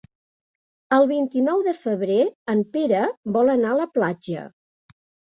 El vint-i-nou de febrer en Pere vol anar a la platja.